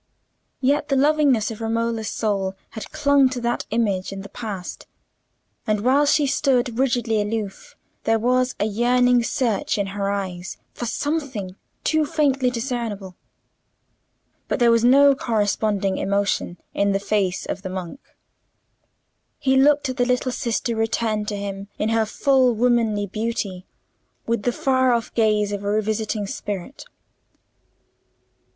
Yet the lovingness of Romola's soul had clung to that image in the past, and while she stood rigidly aloof, there was a yearning search in her eyes for something too faintly discernible. But there was no corresponding emotion in the face of the monk. He looked at the little sister returned to him in her full womanly beauty, with the far off gaze of a revisiting spirit.